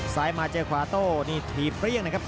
ซ้ายมาเจอขวาโต้นี่ทีบเรียงนะครับ